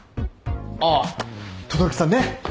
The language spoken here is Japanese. ああ轟さんね。